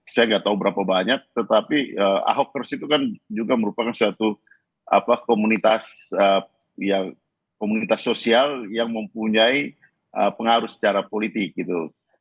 saya nggak tahu berapa banyak tetapi ahok terus itu kan juga merupakan suatu komunitas sosial yang mempunyai pengaruh secara politik gitu